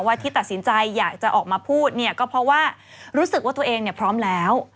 ที่ตัดสินใจอยากจะออกมาพูดเนี่ยก็เพราะว่ารู้สึกว่าตัวเองเนี่ยพร้อมแล้ว